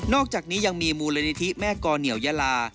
อกจากนี้ยังมีมูลนิธิแม่กอเหนียวยาลา